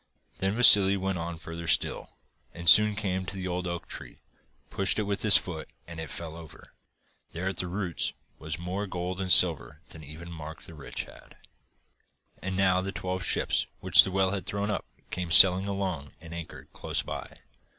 Then Vassili went on further still, and soon came to the old oak tree, pushed it with his foot, and it fell over. There, at the roots, was more gold and silver than even Mark the Rich had. And now the twelve ships which the whale had thrown up came sailing along and anchored close by.